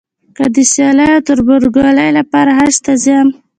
که د سیالۍ او تربورګلوۍ لپاره حج ته ځم.